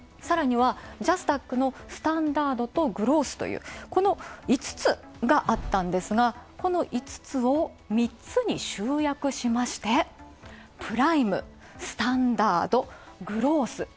さらにはジャスダックのスタンダードとグロースという、この５つがあったんですが、この５つを３つに集約して、プライム、スタンダード、グロース